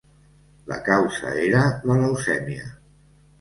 La causa era la leucèmia.